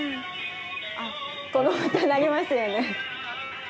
この歌鳴りますよね。